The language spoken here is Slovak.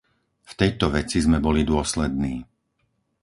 V tejto veci sme boli dôslední.